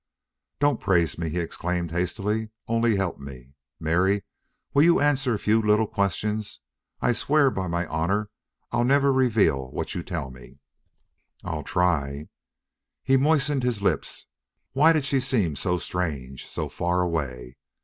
"Don't praise me!" he exclaimed, hastily. "Only help me.... Mary, will you answer a few little questions, if I swear by my honor I'll never reveal what you tell me?" "I'll try." He moistened his lips. Why did she seem so strange, so far away?